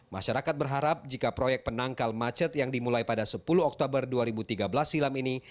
masyarakat berharap jika proyek penangkal macet yang dimulai pada sepuluh oktober dua ribu tiga belas silam ini